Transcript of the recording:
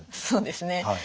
そうですね。